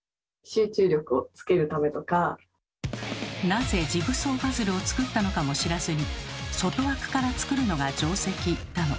なぜジグソーパズルを作ったのかも知らずに「外枠から作るのが定石」だの。